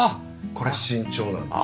これ身長なんです。